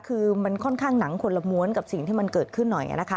คือมันค่อนข้างหนังคนละม้วนกับสิ่งที่มันเกิดขึ้นหน่อยนะคะ